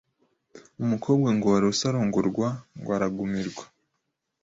Umukobwa ngo warose arongorwa ngo aragumirwa